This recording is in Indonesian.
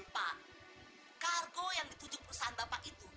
pak kargo yang ditujuk perusahaan bapak itu